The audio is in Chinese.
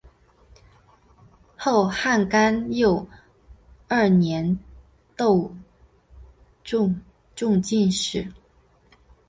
后汉干佑二年窦偁中进士。